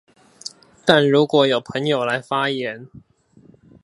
但如果有朋友來發言